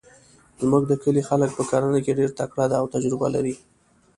زموږ د کلي خلک په کرنه کې ډیرتکړه ده او تجربه لري